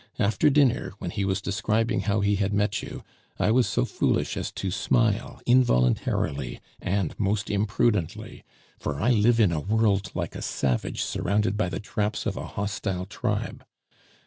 After dinner, when he was describing how he had met you, I was so foolish as to smile involuntarily, and most imprudently, for I live in a world like a savage surrounded by the traps of a hostile tribe.